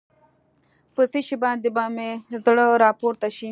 په څه شي باندې به مې زړه راپورته شي.